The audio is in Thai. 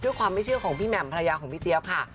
ความไม่เชื่อของพี่แหม่มภรรยาของพี่เจี๊ยบค่ะ